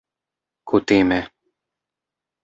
kutime